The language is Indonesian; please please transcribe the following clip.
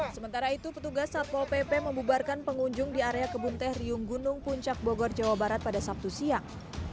sementara itu petugas satpol pp membubarkan pengunjung di area kebun teh riung gunung puncak bogor jawa barat pada sabtu siang